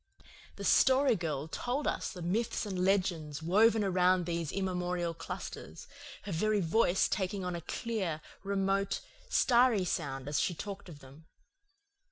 The Story Girl told us the myths and legends woven around these immemorial clusters, her very voice taking on a clear, remote, starry sound as she talked of them.